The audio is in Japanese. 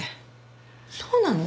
そうなの？